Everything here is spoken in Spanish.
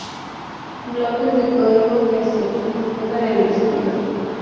Bloques de código que se ejecutan en el servidor.